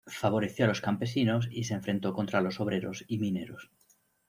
Favoreció a los campesinos y se enfrentó contra los obreros y mineros.